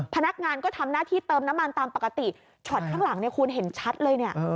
พนักงานก็ทำหน้าที่เติมน้ำมันตามปกติฉอดข้างหลังคุณเห็นชัดเลย